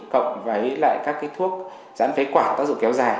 cộng với lại các cái thuốc giãn phế quản tác dụng kéo dài